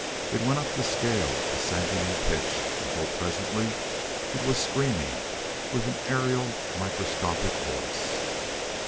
It went up the scale, ascending in pitch, until presently it was screaming with an aerial microscopic voice.